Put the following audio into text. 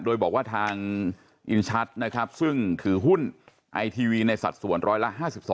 โดยบอกว่าทางอินชัดนะครับซึ่งถือหุ้นไอทีวีในสัดส่วนร้อยละ๕๒